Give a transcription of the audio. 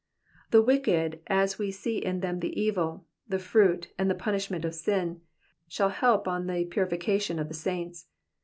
The wicked as we see in them the evil, the fruit, and the punishment of sin, shall help on the purification of the saints.